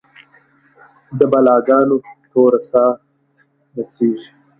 د بلا ګانو توره ساه نڅیږې